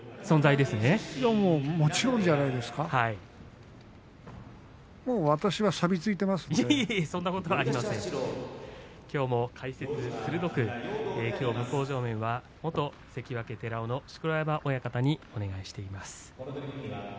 そんなことありません。